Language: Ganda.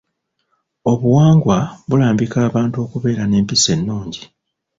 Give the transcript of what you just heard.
Obuwangwa bulambika abantu okubeera n'empisa ennungi.